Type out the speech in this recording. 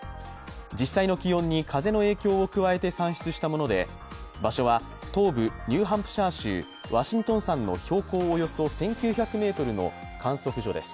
実際の気温に風の影響を加えて算出したもので、場所は東部ニューハンプシャー州ワシントン山の標高およそ１９００ｍの観測所です。